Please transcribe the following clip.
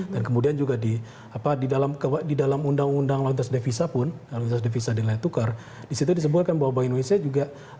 dan kemudian juga di dalam undang undang nilai tukar disitu disebutkan bahwa bank indonesia